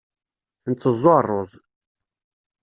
Nteẓẓu rruẓ.